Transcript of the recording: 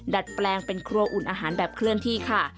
ดัดแปลงเป็นครัวอุ่นอาหารแบบเคลื่อนที่ค่ะ